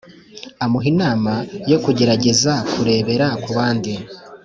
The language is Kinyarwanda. amuha inama yo kugerageza kurebera kubandi